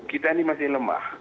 kita ini masih lemah